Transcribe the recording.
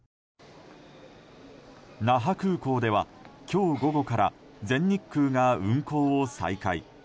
那覇空港では、今日午後から全日空が運航を再開。